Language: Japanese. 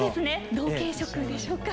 同系色でしょうか。